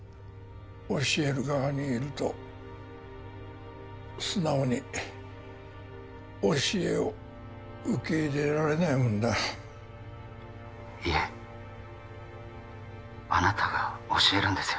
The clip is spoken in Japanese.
教える側にいると素直に教えを受け入れられないもんだいえあなたが教えるんですよ